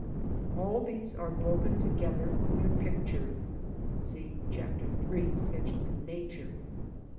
All these are broken together on your picture (see Chapter III., "Sketching from Nature,'' p.